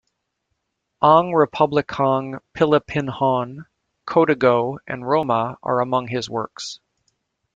"Ang Republikang Pilipinhon", "Codigo" and "Roma" are among his works.